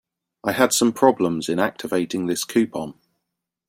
I had some problems in activating this coupon.